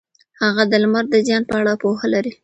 هغه د لمر د زیان په اړه پوهه لري.